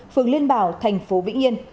phường liên bảo thành phố vĩnh yên